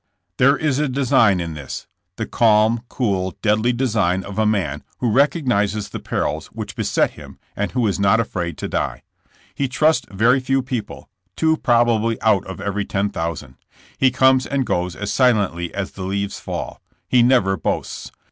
There is a design in this— the calm, cool, deadly de sign of a man who recognizes the perils which beset him and who is not afraid to die. He trusts very few people, two probably out of every ten thousand. He comes and goes as silently as the leaves fall. He never boasts.